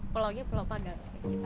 pulaunya pulau pagang